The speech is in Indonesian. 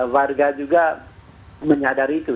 warga juga menyadari itu